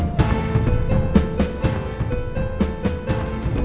begitu tau soal ini